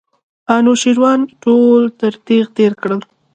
انوشیروان ټول تر تېغ تېر کړل.